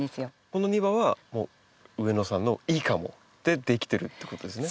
この庭は上野さんの「いいかも！」で出来てるってことですね。